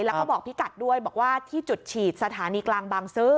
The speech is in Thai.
แล้วก็บอกพี่กัดด้วยบอกว่าที่จุดฉีดสถานีกลางบางซื้อ